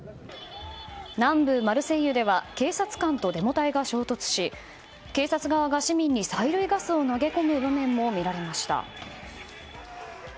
南部マルセイユでは警察官とデモ隊が衝突し警察側が市民に催涙ガスを投げ込む場面も見られました。